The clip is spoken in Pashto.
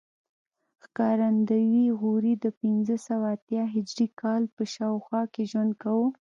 ښکارندوی غوري د پنځه سوه اتیا هجري کال په شاوخوا کې ژوند کاوه